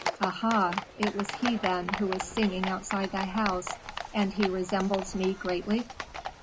"Aha! it was he, then, who was singing outside thy house, and he resembles me greatly?"